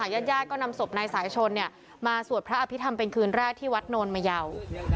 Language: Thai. ญาติญาติก็นำศพนายสายชนมาสวดพระอภิษฐรรมเป็นคืนแรกที่วัดโนนมะเยา